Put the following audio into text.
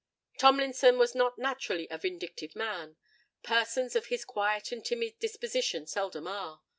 Tomlinson was not naturally a vindictive man:—persons of his quiet and timid disposition seldom are.